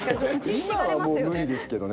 今はもう無理ですけどね